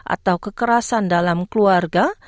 atau kekerasan dalam keluarga